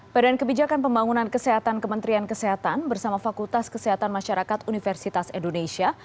badan kebijakan pembangunan kesehatan kementerian kesehatan bersama fakultas kesehatan masyarakat universitas indonesia